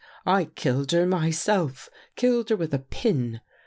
' I killed her myself. Killed her with a pin.